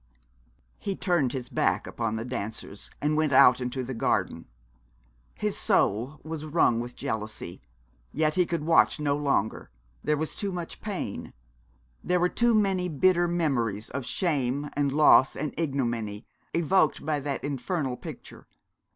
He turned his back upon the dancers, and went out into the garden. His soul was wrung with jealousy, yet he could watch no longer. There was too much pain there were too many bitter memories of shame, and loss, and ignominy evoked by that infernal picture.